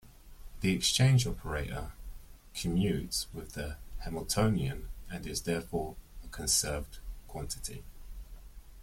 The exchange operator commutes with the Hamiltonian and is therefore a conserved quantity.